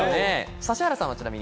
指原さんは？